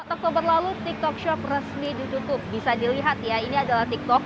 empat oktober lalu tiktok shop resmi ditutup bisa dilihat ya ini adalah tiktok